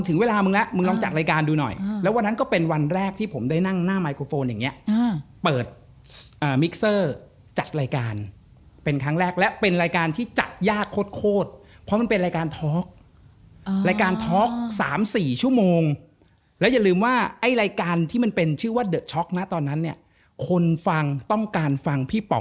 แต่ว่าแต่ว่าคุณแจ๊คเองก็